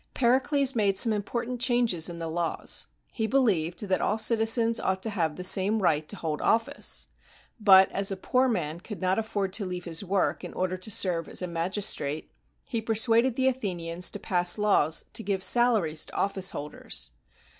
Pericles made some important changes in the laws. He believed that all citizens ought to have the same right to hold office. But as a poor man could not'afford to leave his work in order to serve as a magistrate, he persuaded the Athenians to pass laws to give salaries to officeholders.